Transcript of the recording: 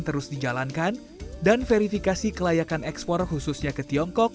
terus dijalankan dan verifikasi kelayakan ekspor khususnya ke tiongkok